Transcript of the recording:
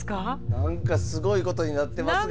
何かすごいことになってますが。